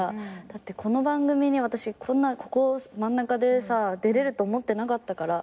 だってこの番組に私ここ真ん中でさ出れると思ってなかったから。